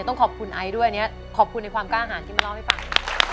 ต้องขอบคุณไอด้วยขอบคุณในความกล้าอาหารกินมาเล่าให้ฟัง